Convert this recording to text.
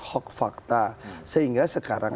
hoax fakta sehingga sekarang